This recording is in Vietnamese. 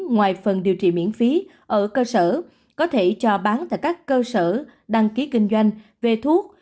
ngoài phần điều trị miễn phí ở cơ sở có thể cho bán tại các cơ sở đăng ký kinh doanh về thuốc